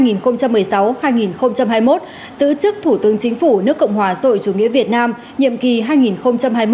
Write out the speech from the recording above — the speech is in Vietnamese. giữ chức thủ tướng chính phủ nước cộng hòa xã hội chủ nghĩa việt nam nhiệm kỳ hai nghìn hai mươi một hai nghìn hai mươi sáu